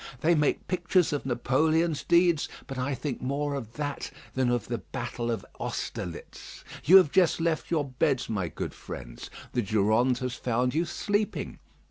They make pictures of Napoleon's deeds; but I think more of that than of the battle of Austerlitz. You have just left your beds, my good friends. The Durande has found you sleeping.